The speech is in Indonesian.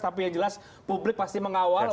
tapi yang jelas publik pasti mengawal